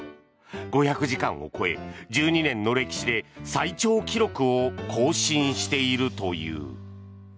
５００時間を超え１２年の歴史で最長記録を更新しているという。